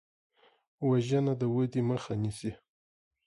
وژنه د ودې مخه نیسي